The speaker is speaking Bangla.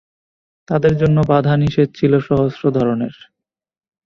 তাঁদের জন্য বাধানিষেধ ছিল সহস্র ধরনের।